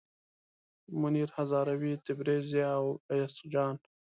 منیر هزاروي، تبریز، ضیا او ایاز جان.